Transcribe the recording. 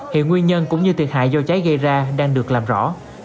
hiện nguyên nhân cũng như thiệt hại do cháy gây ra đang được làm rõ